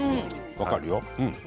分かるよ。